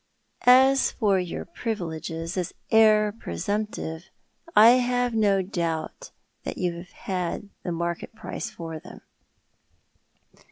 "As for your privileges as heir presumptive I have no doubt you have had the market price for them."